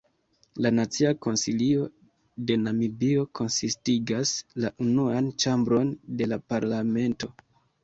La Nacia Konsilio de Namibio konsistigas la unuan ĉambron de la parlamento.